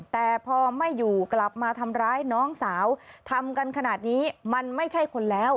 แต่พอไม่อยู่กลับมาทำร้ายน้องสาวทำกันขนาดนี้มันไม่ใช่คนแล้ว